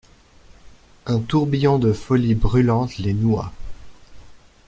Un tourbillon de folie brûlante les noua.